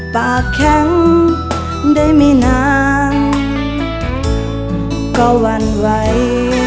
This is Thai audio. ปากแข็งได้ไม่นานก็หวั่นไหว